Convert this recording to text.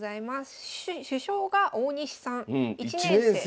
主将が大西さん１年生。